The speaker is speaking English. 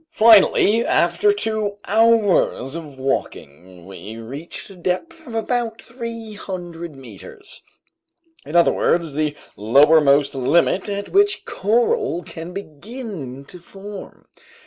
Finally, after two hours of walking, we reached a depth of about 300 meters, in other words, the lowermost limit at which coral can begin to form.